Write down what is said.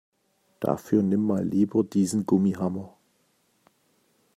Dafür nimm mal lieber diesen Gummihammer.